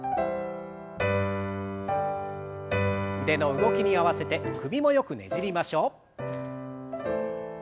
腕の動きに合わせて首もよくねじりましょう。